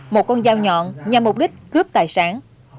một con dao nhọn nhằm mục đích cướp tài sản